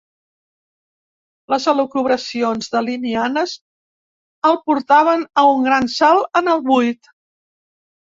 Les elucubracions dalinianes el portaven a un gran salt en el buit.